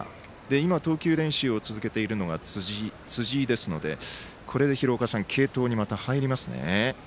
今、投球練習を続けているのが辻井ですのでこれで廣岡さん継投にまた入りますね。